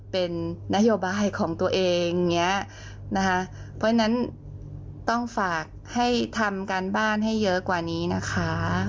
เพราะฉะนั้นต้องฝากให้ทำการบ้านให้เยอะกว่านี้นะคะ